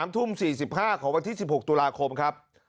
๓ทุ่ม๔๕ของวันที่๑๖ตุลาคมครับ